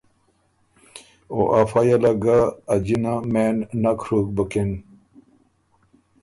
او افئ یه له ګۀ ا جِنه مېن نک ڒُوک بُکِن